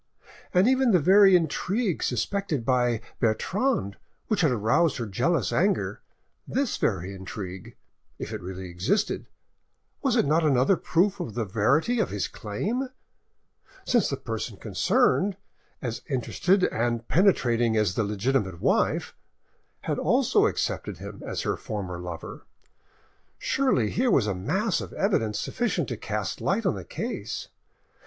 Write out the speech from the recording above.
And even the very intrigue suspected by Bertrande, which had aroused her jealous anger, this very intrigue, if it really existed, was it not another proof of the verity of his claim, since the person concerned, as interested and as penetrating as the legitimate wife; had also accepted him as her former lover? Surely here was a mass of evidence sufficient to cast light on the case.